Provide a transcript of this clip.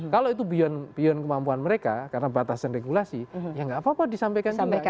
kalau itu beyond kemampuan mereka karena batasan regulasi ya nggak apa apa disampaikan juga kan gitu kan